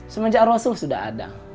semenjak rasul sudah ada